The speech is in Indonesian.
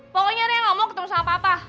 pokoknya re gak mau ketemu sama papa